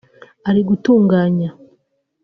ari gutunganya